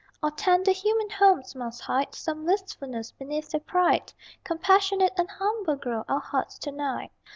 All tender human homes must hide Some wistfulness beneath their pride: Compassionate and humble grow Our hearts to night.